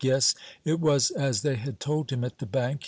Yes, it was as they had told him at the bank.